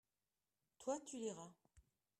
toi, tu liras.